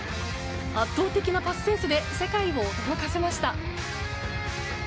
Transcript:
圧倒的なパスセンスで世界を驚かせました。